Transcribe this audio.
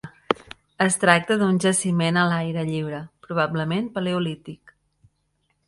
Es tracta d'un jaciment a l'aire lliure probablement paleolític.